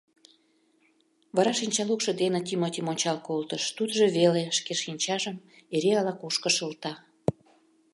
Вара шинчалукшо дене Тимотим ончал колтыш, тудыжо веле шке шинчажым эре ала-кушко шылта.